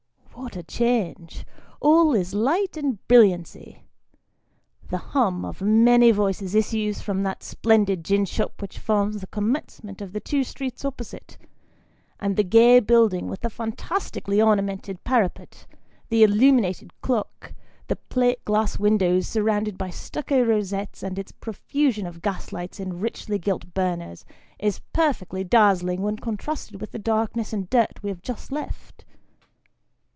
What a change ! All is light and brilliancy. The hum of many voices issues from that splendid gin shop which forms the commencement of the two streets opposite ; and the gay building with the fantastically ornamented parapet, the illuminated clock, the plate glass windows surrounded by stucco rosettes, and its profusion of gas lights in richly gilt burners, is perfectly dazzling when contrasted with the darkness and dirt we have just left.